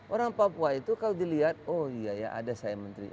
orang papua itu kalau dilihat oh iya ya ada saya menteri